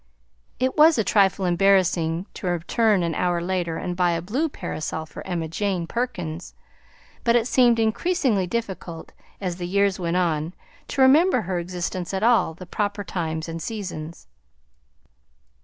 It was a trifle embarrassing to return an hour later and buy a blue parasol for Emma Jane Perkins, but it seemed increasingly difficult, as the years went on, to remember her existence at all the proper times and seasons.